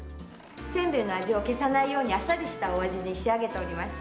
せんべいの味を消さないようにあっさりしたお味に仕上げております。